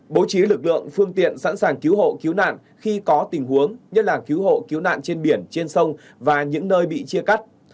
bố trí lực lượng phương tiện sẵn sàng cứu hộ cứu nạn khi có tình huống nhất là cứu hộ cứu nạn trên biển trên sông và những nơi bị chia cắt